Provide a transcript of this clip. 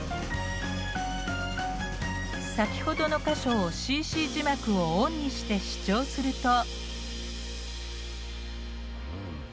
先ほどの箇所をＣＣ字幕をオンにして視聴すると。